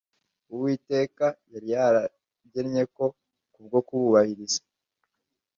Uwiteka yari yaragennye ko kubwo kubahiriza